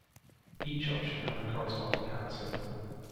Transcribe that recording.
Each option has a corresponding hand signal.